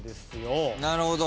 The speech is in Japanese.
なるほど。